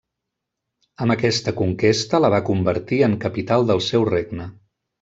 Amb aquesta conquesta la va convertir en capital del seu regne.